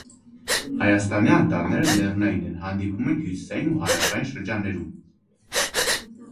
Հայաստանի անտառները լեռնային են, հանդիպում են հյուսիսային ու հարավային շրջաններում։